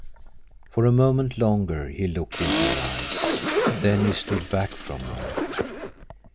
For a moment longer he looked into her eyes. Then he stood back from her.